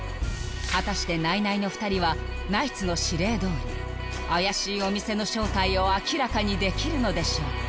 果たしてナイナイの２人はナイツの指令どおり怪しいお店の正体を明らかにできるのでしょうか？